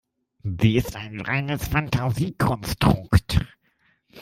Sie ist ein reines Fantasiekonstrukt.